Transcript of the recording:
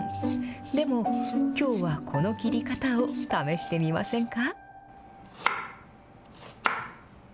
でも、きょうはこの切り方を試してみませんか。